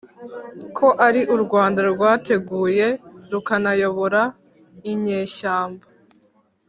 Ko ari u rwanda rwateguye rukanayobora inyeshyamba